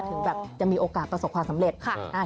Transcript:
ถึงแบบจะมีโอกาสประสบความสำเร็จ